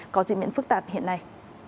có trị miễn phức tạp hiện nay